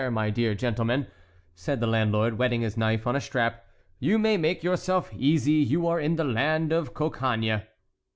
my dear gentleman!" said the landlord, whetting his knife on a strap, "you may make yourself easy; you are in the land of Cocagne."